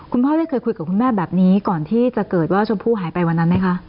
คุณพ่อได้เคยคุยกับคุณแม่แบบนี้ก่อนที่จะเกิดว่าชมพู่หายไปวันนั้นไหมคะ